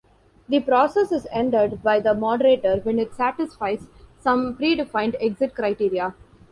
The process is ended by the moderator when it satisfies some predefined exit criteria.